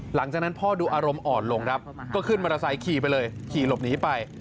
หลังจากนั้นพ่อดูอารมณ์อ่อนลงครับก็ขึ้นมอเตอร์ไซค์ขี่ไปเลยขี่หลบหนีไป